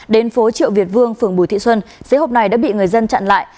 đến phố triệu việt vương phường bùi thị xuân giấy hộp này đã bị người dân chặn lại